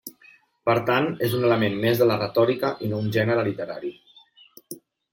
Per tant és un element més de la retòrica i no un gènere literari.